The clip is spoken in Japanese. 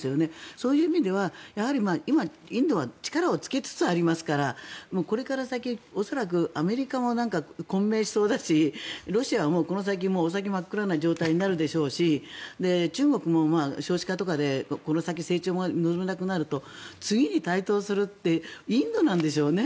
そういう意味では今、インドは力をつけつつありますからこれから先、恐らくアメリカも混迷しそうだしロシアはこの先お先真っ暗な状態になるでしょうし中国も少子化でこの先成長が望めなくなると次に台頭するのってインドなんでしょうね。